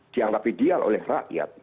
dianggapi dial oleh rakyat